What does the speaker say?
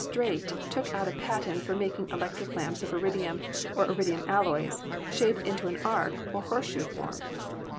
Staite took out a patent for making electric lamps of iridium, or iridium alloys, shaped into an arch or horseshoe form.